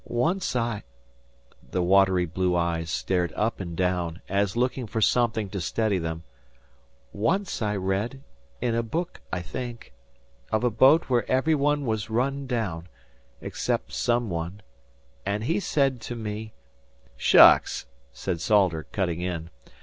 Once I" the watery blue eyes stared up and down as if looking for something to steady them "once I read in a book, I think of a boat where every one was run down except some one and he said to me " "Shucks!" said Salters, cutting in.